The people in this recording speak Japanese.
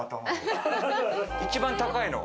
一番高いのは？